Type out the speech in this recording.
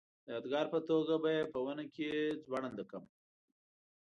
د یادګار په توګه به یې په ونه کې ځوړنده کړم.